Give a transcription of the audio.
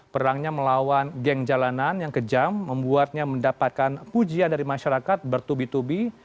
perangnya melawan geng jalanan yang kejam membuatnya mendapatkan pujian dari masyarakat bertubi tubi